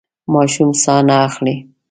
ماشوم ساه نه اخلي.